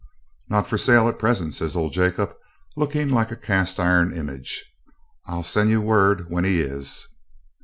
'Not for sale at present,' says old Jacob, looking like a cast iron image. 'I'll send ye word when he is.'